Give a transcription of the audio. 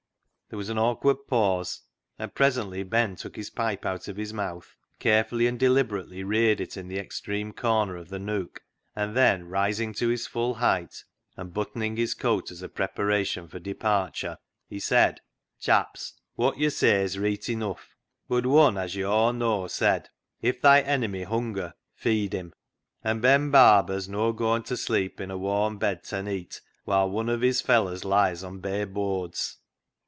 There was an awkward pause, and presently Ben took his pipe out of his mouth, carefully and deliberately reared it in the extreme corner of the nook, and then, rising to his full height, and buttoning his coat as a preparation for departure, he said — 138 CLOG SHOP CHRONICLES " Chaps, wot yo' say's reet enouff, bud Wun as yo' aw know said, ' If thy enemy hunger, feed him,' and Ben Barber's no' goin' t' sleep in a warm bed ta neet while wun of his fellers lies o' bare boards.